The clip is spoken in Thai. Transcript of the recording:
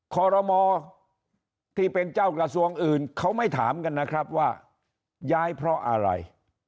คอรมอที่เป็นเจ้ากระทรวงอื่นเขาไม่ถามกันนะครับว่าย้ายเพราะอะไร